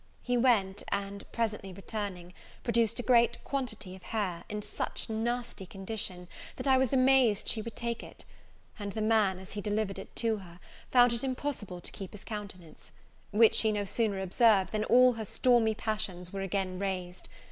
He went, and presently returning, produced a great quantity of hair, in such nasty condition, that I was amazed she would take it; and the man, as he delivered it to her, found it impossible to keep his countenance; which she no sooner observed, than all her stormy passions were again raised.